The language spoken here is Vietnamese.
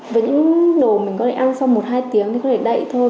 với những đồ mình có thể ăn sau một hai tiếng thì có thể đậy thôi